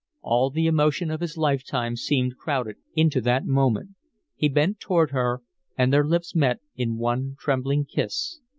All the emotion of his lifetime seemed crowded into that moment. He bent toward her and their lips met in one trembling kiss.